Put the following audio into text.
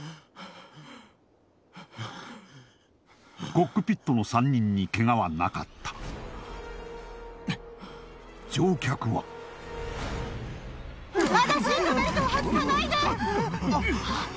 コックピットの３人にケガはなかった乗客はまだシートベルトを外さないで！